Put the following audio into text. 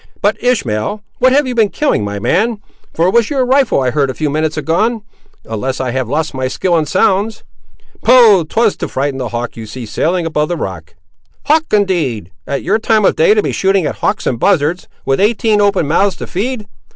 But, Ishmael, what have you been killing, my man; for it was your rifle I heard a few minutes agone, unless I have lost my skill in sounds." "Poh! 'twas to frighten the hawk you see sailing above the rock." "Hawk, indeed! at your time of day to be shooting at hawks and buzzards, with eighteen open mouths to feed.